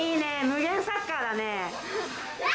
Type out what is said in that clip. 無限サッカーだね。